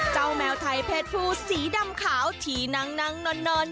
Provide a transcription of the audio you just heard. เจ้าแมวไทยเพชรภูสีดำขาวที่นั่งนอน